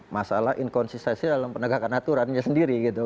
masalah inconsistency dalam penegakan aturannya sendiri